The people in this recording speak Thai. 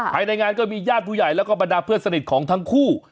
ภายในงานก็มีญาติผู้ใหญ่แล้วก็บรรดาเพื่อนสนิทของทั้งคู่